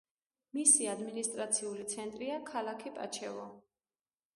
მისი ადმინისტრაციული ცენტრია ქალაქი პანჩევო.